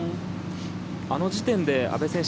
あの時点で阿部選手